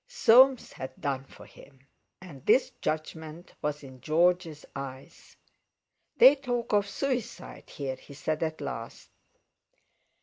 Soames had done for him! And this judgment was in George's eyes. "They talk of suicide here," he said at last.